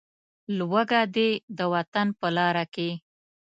لوږه دې د وطن په لاره کې.